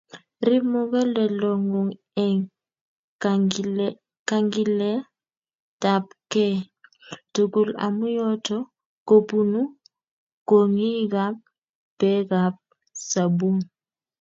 Riip muguleldang'ung' eng' kagiiletapkei tugul, amu yooto ko punu kong'igap peegap saboon.